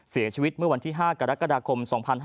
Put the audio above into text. เสียชีวิตเมื่อวันที่๕กรกฎาคม๒๕๕๙